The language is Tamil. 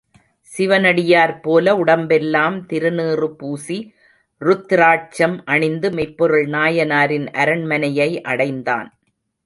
சிவனடியார் போல உடம்பெல்லாம் திருநீறு பூசி, ருத்திராட்சம் அணிந்து மெய்ப்பொருள் நாயனாரின் அரண்மனையை அடைந்தான்.